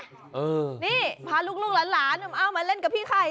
นี่พาลูกหลานเอามาเล่นกับพี่ไข่